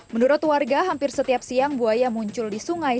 menurut warga hampir setiap siang buaya muncul di sungai